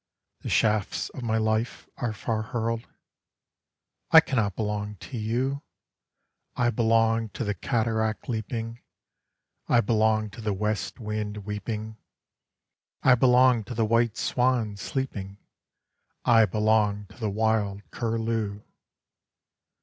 The shafts of my life are far hurled—I cannot belong to you!…I belong to the cataract, leaping;I belong to the west wind, weeping;I belong to the white swan, sleeping;I belong to the wild curlew!